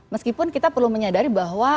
meskipun kita perlu menyadari bahwa